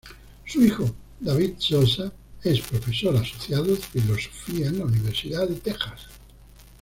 Su hijo, David Sosa, es profesor asociado de filosofía en la Universidad de Texas.